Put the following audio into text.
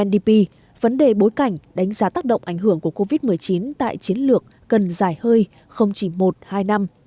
ndp vấn đề bối cảnh đánh giá tác động ảnh hưởng của covid một mươi chín tại chiến lược cần dài hơi không chỉ một hai năm